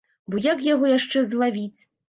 Бо як яго яшчэ злавіць?